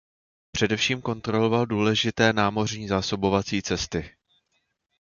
Především kontroloval důležité námořní zásobovací cesty.